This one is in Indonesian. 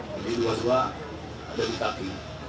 jadi dua dua ada di kaki